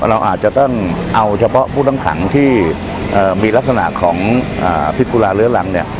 เราอาจจะต้องเอาเฉพาะผู้ต้องขังที่มีลักษณะของพิษกุลาเรื้อรังเนี่ย